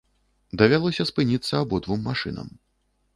Давялося спыніцца абодвум машынам.